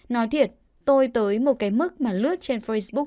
nói thiệt tôi tới một cái mức mà lướt trên facebook